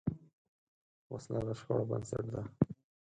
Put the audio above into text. وسله د شخړو بنسټ ده